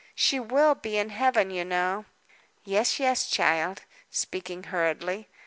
"She will be in Heaven, you know." "Yes, yes, child," speaking hurriedly.